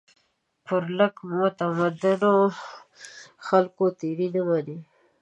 پر لږ متمدنو خلکو تېري نه مني.